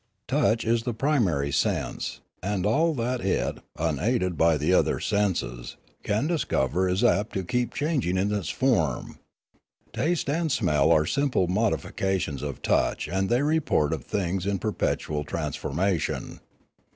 Touch is the primary sense, and all that it, unaided by the other senses, can dis cover is apt to keep changing its form. Taste and smell are simple modifications of touch and they report of things in perpetual transformation.